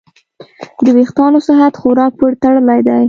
د وېښتیانو صحت خوراک پورې تړلی دی.